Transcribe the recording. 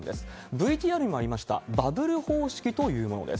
ＶＴＲにもありました、バブル方式というものです。